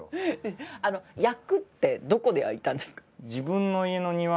焼くってどこで焼いたんですか？